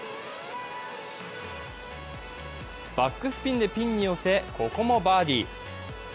バックスピンでピンに寄せ、ここもバーディー。